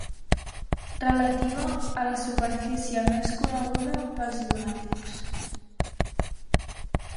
Relativa a la superfície més coneguda pels llunàtics.